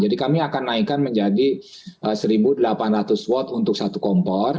jadi kami akan naikkan menjadi seribu delapan ratus watt untuk satu kompor